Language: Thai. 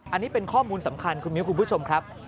อันนี้เป็นข้อมูลสำคัญคุณมิ้วคุณผู้ชมครับ